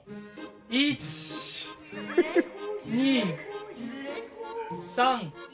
１２３。